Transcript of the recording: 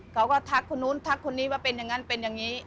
ทักคนนู้นทักคนนี้ว่าเป็นอย่างนั้นเป็นอย่างนี้